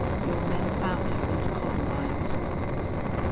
Your men found her in the columbines."